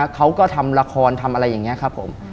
เขาก็ทำละครทำอะไรอย่างนี้ครับผม